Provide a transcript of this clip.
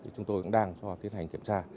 chúng tôi cũng đang cho tiến hành kiểm tra